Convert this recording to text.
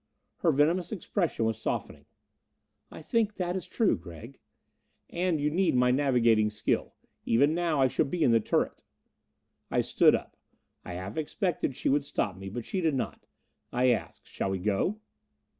Her venomous expression was softening. "I think that is true, Gregg." "And you need my navigating skill. Even now I should be in the turret." I stood up. I half expected she would stop me, but she did not. I added, "Shall we go?"